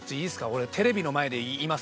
俺テレビの前で言います。